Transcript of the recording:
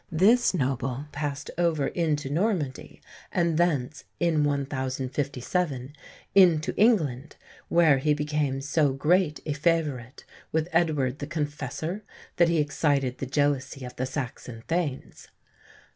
This noble passed over into Normandy, and thence, in 1057, into England, where he became so great a favourite with Edward the Confessor that he excited the jealousy of the Saxon Thanes."